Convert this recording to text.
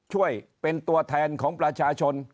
ช่วยเป็นตัวแทนของประชาชน